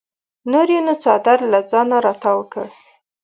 نور یې نو څادر له ځانه راتاو کړ.